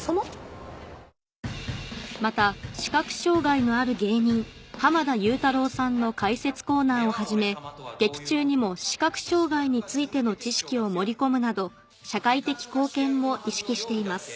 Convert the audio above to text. また視覚障がいのある芸人濱田祐太郎さんの解説コーナーをはじめ劇中にも視覚障がいについての知識を盛り込むなど社会的貢献も意識しています